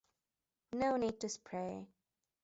No need to spray.